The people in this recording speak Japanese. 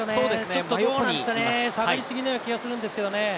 ちょっとどうなんですかね、下がりすぎのような気がするんですけどね。